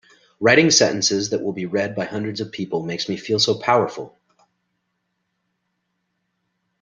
Writing sentences that will be read by hundreds of people makes me feel so powerful!